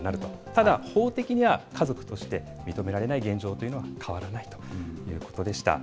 ただ、法的には家族として認められない現状というのは変わらないということでした。